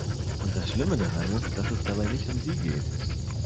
Und das Schlimme daran ist, dass es dabei nicht um sie geht.